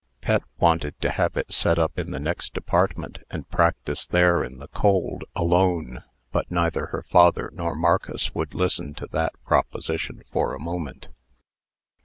Pet wanted to have it set up in the next apartment, and practise there in the cold, alone; but neither her father nor Marcus would listen to that proposition for a moment.